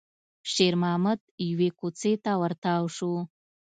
شېرمحمد يوې کوڅې ته ور تاو شو.